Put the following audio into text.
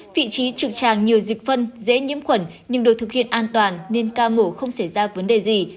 vị trí trực tràng nhiều dịch phân dễ nhiễm khuẩn nhưng được thực hiện an toàn nên ca mổ không xảy ra vấn đề gì